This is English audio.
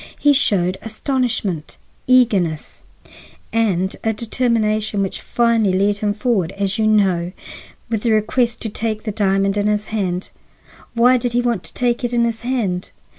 He showed astonishment, eagerness, and a determination which finally led him forward, as you know, with the request to take the diamond in his hand. Why did he want to take it in his hand?